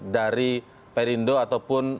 dari perindu ataupun